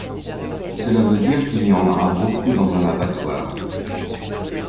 Cela veut dire qu’il y en aura beaucoup dans un abattoir.